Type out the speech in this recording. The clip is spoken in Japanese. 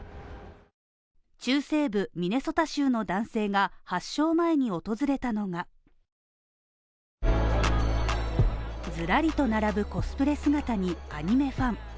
中西部ミネソタ州の男性が発症前に訪れたのがズラリと並ぶコスプレ姿に、アニメファン。